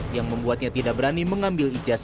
yang membuatnya tidak berani mengambil ijas